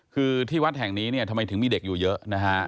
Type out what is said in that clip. คือที่วัดแห่งนี้เนี่ยทำไมถึงมีเด็กอยู่เยอะนะฮะ